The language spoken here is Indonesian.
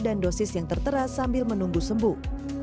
dan dosis yang tertera sambil menunggu sembuh